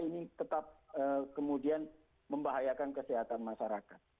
ini tetap kemudian membahayakan kesehatan masyarakat